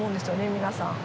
皆さん。